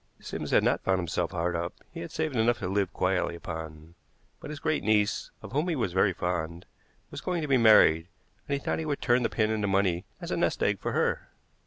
Sims had not found himself hard up, he had saved enough to live quietly upon, but his great niece, of whom he was very fond, was going to be married, and he thought he would turn the pin into money as a nest egg for her.